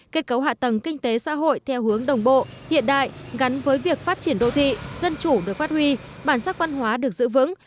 kết cấu hạ tầng kinh tế xã hội theo hướng đồng bộ hiện đại gắn với việc phát triển đô thị dân chủ được phát huy bản sắc văn hóa được giữ vững